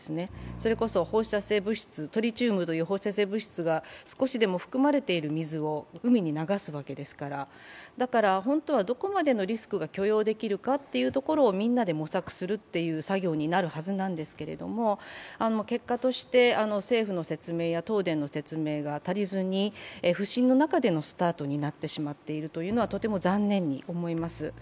それこそ放射性物質、トリチウムという放射性物質が少しでも含まれている水を海に流すわけですから、だから本当はどこまでのリスクが許容できるかというところをみんなで模索するという作業になるはずなんですけど、結果として政府の説明や東電の説明が足りずに不信の中でのスタートになってしまっているというのはとても残念に思います。